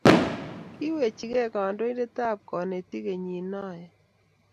kiwechigei kandoindetab konetik kenyit noe